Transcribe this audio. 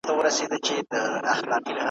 نه عمرونه مو کمیږي تر پېړیو ,